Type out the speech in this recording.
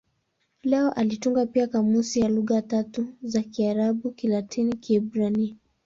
Leo alitunga pia kamusi ya lugha tatu za Kiarabu-Kilatini-Kiebrania.